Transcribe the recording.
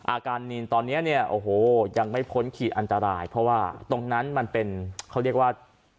อาการนินตอนนี้เนี่ยโอ้โหยังไม่พ้นขีดอันตรายเพราะว่าตรงนั้นมันเป็นเขาเรียกว่า